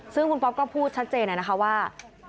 ซึ่งคุณป๊อปก็พูดชัดเจนนะคะว่า